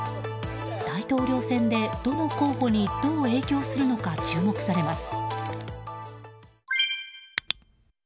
大統領選でどの候補にどう影響するのか注目されます。